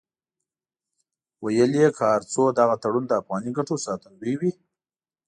ویل یې که هر څو دغه تړون د افغاني ګټو ساتندوی وي.